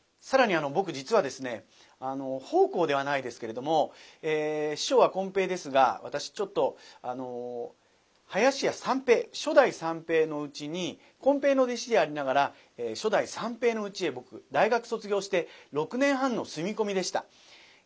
更に僕実はですね奉公ではないですけれども師匠はこん平ですが私ちょっと林家三平初代三平のうちにこん平の弟子でありながら初代三平のうちへ僕大学卒業して６年半の住み込みでした。